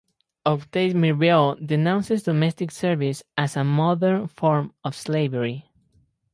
Octave Mirbeau denounces domestic service as a modern form of slavery.